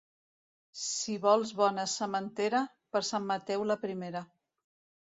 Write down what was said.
Si vols bona sementera, per Sant Mateu la primera.